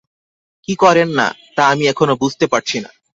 কি করেন না, তা আমি এখনো বুঝতে পারছি না।